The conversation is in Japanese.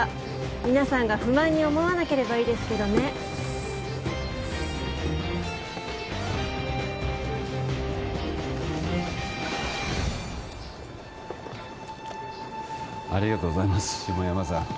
皆さんが不満に思わなければいいですけどねありがとうございます下山さん